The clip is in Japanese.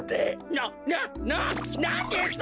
ななななんですと？